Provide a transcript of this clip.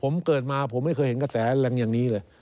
ผมเกิดมาผมไม่เคยเห็นกระแสแรงอย่างนี้เลย